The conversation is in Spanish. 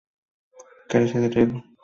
Carece de riego.